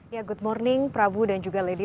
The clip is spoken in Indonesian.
ya good morning prabu dan juga lady